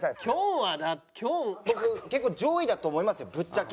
僕結構上位だと思いますよぶっちゃけ。